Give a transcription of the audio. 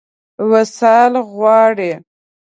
وصال غواړي.